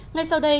ngay sau đây